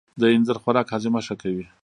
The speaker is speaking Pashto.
د اینځر خوراک هاضمه ښه کوي.